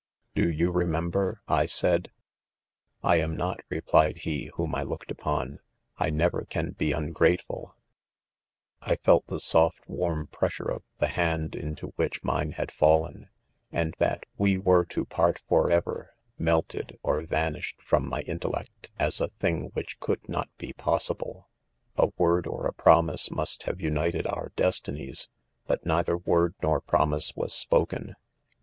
4 .Do yow remember, I said 3 .«' 1 am ncrt/ replied he, whom I looked upon, 1 1 never can be ungrateful P ... I felt .the. soft warm pres sure of the hand into which mine had fallen. THE CQOTEeSSJsOWS. V7f and that we weteto part forever ^ melted or ¥a»« ishedfroni my intellect, as a tiling which could not he possible. (*) 4 A word of a, premise, must have , united :©ur destinies, hat neither word nor promise was spoken.